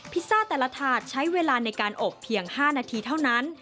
ซ่าแต่ละถาดใช้เวลาในการอบเพียง๕นาทีเท่านั้น